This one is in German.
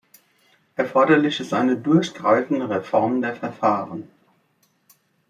Erforderlich ist eine durchgreifende Reform der Verfahren.